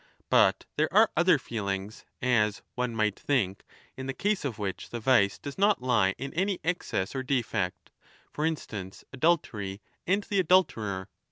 ^ But there are other feelings, as one might think, in the case of which the vice does not lie in any excess or defect ; for instance, adultery and the adulterer.